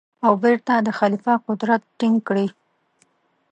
او بېرته د خلیفه قدرت ټینګ کړي.